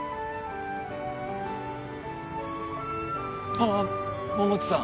ああ桃地さん。